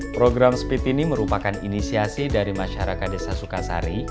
program speed ini merupakan inisiasi dari masyarakat desa sukasari